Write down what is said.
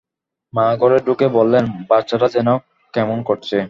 মা ঘরে ঢুকে বললেন, বাচ্চাটা যেন কেমন করছে।